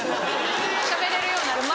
しゃべれるようになる前。